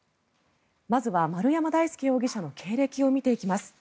まずは、丸山大輔容疑者の経歴を見ていきます。